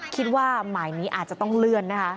คิดว่าหมายนี้อาจจะต้องเลื่อนนะคะ